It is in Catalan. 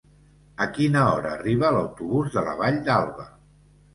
A quina hora arriba l'autobús de la Vall d'Alba?